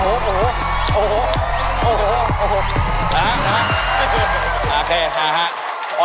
โอเคโอ้โห